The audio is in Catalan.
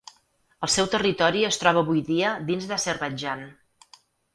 El seu territori es troba avui dia dins d'Azerbaidjan.